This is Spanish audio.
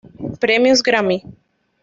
Premios Grammy